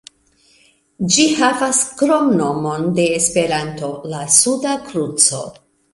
Ĝi havas kromnomon de Esperanto, "La Suda Kruco".